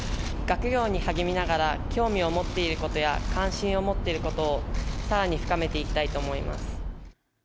学業に励みながら、興味を持っていることや、関心を持っていることを、さらに深めていきたいと思います。